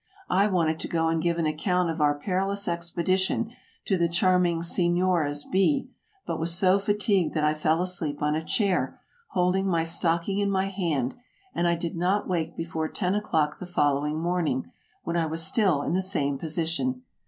I wanted to go and give an account of our peril ous expedition to the charming Sefioras B , but was so fatigued that I fell asleep on a chair, holding my stocking in my hand, and I did not wake before ten o'clock the fol lowing morning, when I was still in the same position.